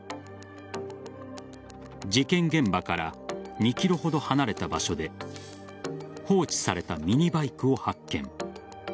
事件現場から２ｋｍほど離れた場所で放置されたミニバイクを発見。